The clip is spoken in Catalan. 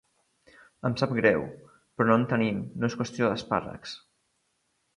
Em sap greu, però no en tenim, no és qüestió d'espàrrecs.